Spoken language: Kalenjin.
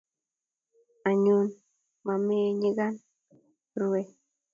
anyun, momeei nyikana, ruwei